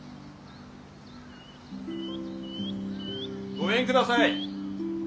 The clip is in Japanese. ・ごめんください。